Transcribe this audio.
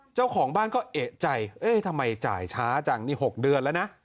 เจ้าของบ้านก็เอกใจเอ๊ะทำไมจ่ายช้าจังนี่๖เดือนแล้วนะ